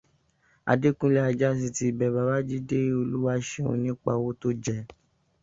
Adékúnlé Ajáṣin ti bẹ Babájídé Olúwaṣeun nípa owó tó jẹ